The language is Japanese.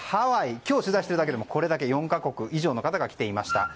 今日、取材しているだけでも４か国以上の方が来ていました。